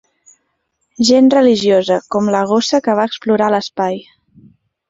Gens religiosa, com la gossa que va explorar l'espai.